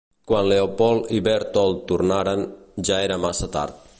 Quan Leopold i Bertold tornaren, ja era massa tard.